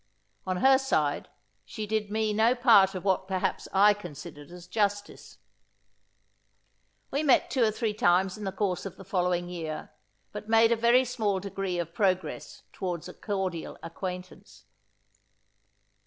On her side, she did me no part of what perhaps I considered as justice. We met two or three times in the course of the following year, but made a very small degree of progress towards a cordial acquaintance.